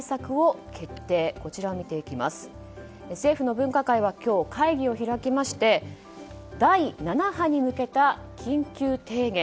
政府の分科会は今日会議を開きまして第７波に向けた緊急提言